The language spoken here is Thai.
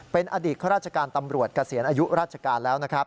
เป็นอดีตข้าราชการตำรวจเกษียณอายุราชการแล้วนะครับ